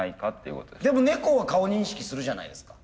でも猫は顔認識するじゃないですか。